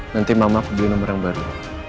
nanti mama aku beli nomor yang baru